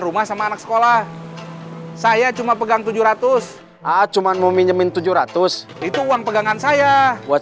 rumah sama anak sekolah saya cuma pegang tujuh ratus ah cuman mau minjemin tujuh ratus itu uang pegangan saya buat